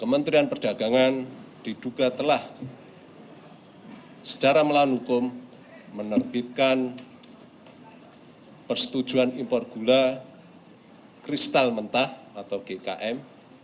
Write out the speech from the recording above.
kementerian perdagangan diduga telah secara melawan hukum menerbitkan persetujuan impor gula kristal mentah atau gkm